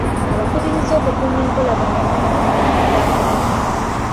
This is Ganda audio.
Abakubirizza okukuuma enkolagana ennungi n’abantu ba Kabaka.